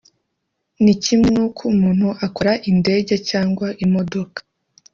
ni kimwe n’uko umuntu akora Indege cyangwa imodoka